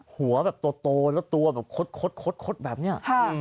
แบบโตแล้วตัวแบบคดแบบนี้